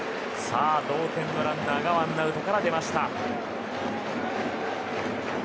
同点のランナーがワンアウトから出ました。